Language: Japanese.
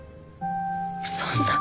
そんな。